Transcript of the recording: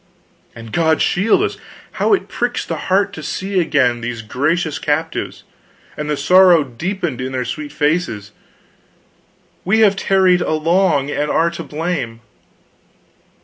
And God shield us, how it pricks the heart to see again these gracious captives, and the sorrow deepened in their sweet faces! We have tarried along, and are to blame."